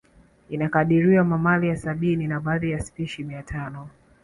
Inakadiriwa mamalia sabini na baadhi ya spishi mia tano